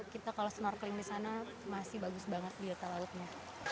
kita kalau snorkeling di sana masih bagus banget biota lautnya